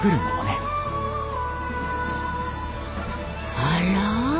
あら？